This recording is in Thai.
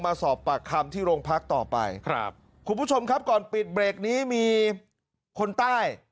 มาสอบปากคำที่โรงพักต่อไปครับคุณผู้ชมครับก่อนปิดเบรกนี้มีคนใต้